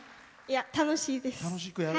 いや、楽しいです。